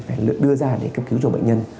phải đưa ra để cập cứu cho bệnh nhân